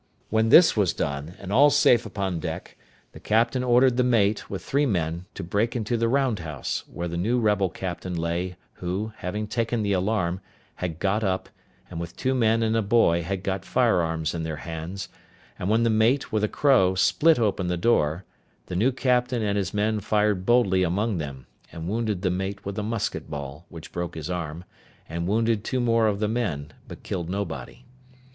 When this was done, and all safe upon deck, the captain ordered the mate, with three men, to break into the round house, where the new rebel captain lay, who, having taken the alarm, had got up, and with two men and a boy had got firearms in their hands; and when the mate, with a crow, split open the door, the new captain and his men fired boldly among them, and wounded the mate with a musket ball, which broke his arm, and wounded two more of the men, but killed nobody.